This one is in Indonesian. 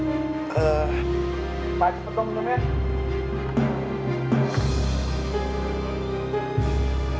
eh apa aja tuh kamu cuman